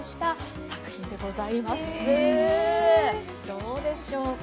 どうでしょうか。